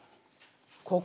ここ。